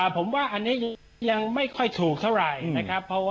ผมว่าอันนี้ยังไม่ค่อยถูกเท่าไร